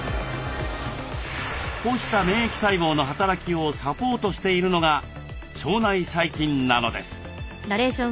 こうした免疫細胞の働きをサポートしているのが腸内細菌なのです。